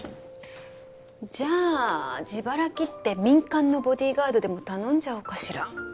じゃあ自腹切って民間のボディーガードでも頼んじゃおうかしら。